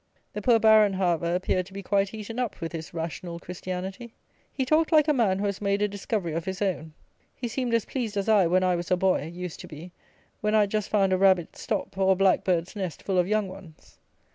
The poor Baron, however, appeared to be quite eaten up with his "rational Christianity." He talked like a man who has made a discovery of his own. He seemed as pleased as I, when I was a boy, used to be, when I had just found a rabbit's stop, or a black bird's nest full of young ones.